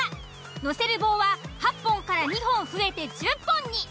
乗せる棒は８本から２本増えて１０本に。